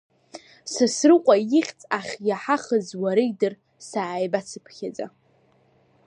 Сасрыҟәа ихьӡ ахьиаҳахыз уара идыр, сааибацԥхьаца…